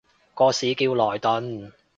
個市叫萊頓